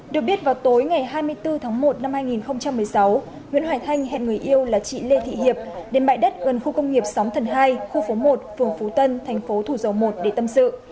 được biết vào tối ngày hai mươi bốn tháng một năm hai nghìn một mươi sáu nguyễn hoài khanh hẹn người yêu là chị lê thị hiệp đến bãi đất gần khu công nghiệp sóng thần hai khu phố một phường phú tân thành phố thủ dầu một để tâm sự